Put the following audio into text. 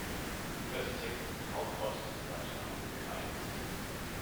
Kőszeg ist Hauptort des gleichnamigen Kreises.